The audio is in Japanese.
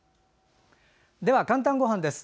「かんたんごはん」です。